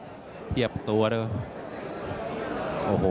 สูง๑๗๙เซนติเมตรครับ